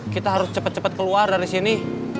kita harus cepat cepat keluar dari sini